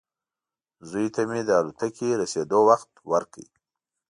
زوی ته مې د الوتکې رسېدو وخت ورکړ.